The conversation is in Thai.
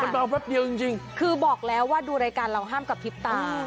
มันมาแป๊บเดียวจริงจริงคือบอกแล้วว่าดูรายการเราห้ามกระพริบตา